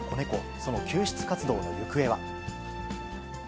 その救出活動の行方は。